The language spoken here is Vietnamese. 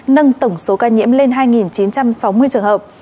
nâng tổng số ca nhiễm lên hai chín trăm sáu mươi trường hợp